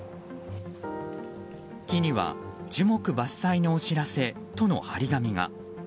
木には「樹木伐採のお知らせ」との貼り紙が。